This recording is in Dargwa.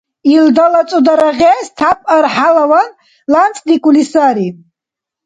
Илдала цӀудара гъез тяп архӀялаван лямцӀдикӀули сари.